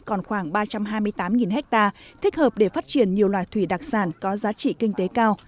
còn khoảng ba trăm hai mươi tám ha thích hợp để phát triển nhiều loài thủy đặc sản có giá trị kinh tế cao